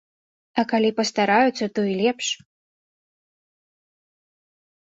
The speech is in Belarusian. А калі пастараюцца, то і лепш!